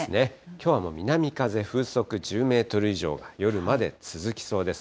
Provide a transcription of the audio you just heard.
きょうはもう南風風速１０メートル以上が夜まで続きそうです。